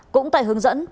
cũng tại hướng dẫn